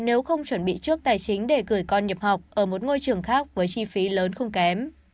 nếu không chuẩn bị trước tài chính để gửi con nhập học ở một ngôi trường khác với chi phí lớn không kém